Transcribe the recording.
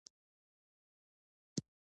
ایا ستاسو کالي پاک دي؟